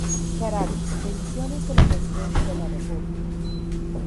Caracas: Ediciones de la Presidencia de la República.